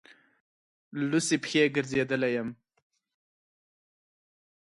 لوڅې پښې ګرځېدلی یم.